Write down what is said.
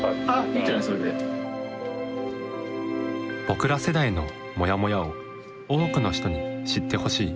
僕ら世代のモヤモヤを多くの人に知ってほしい。